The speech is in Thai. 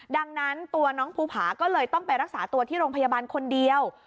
ดังนั้นตัวน้องภูผาก็เลยต้องไปรักษาตัวที่โรงพยาบาลคนเดียว